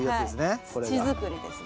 土づくりですね。